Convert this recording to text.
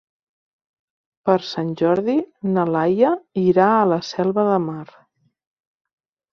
Per Sant Jordi na Laia irà a la Selva de Mar.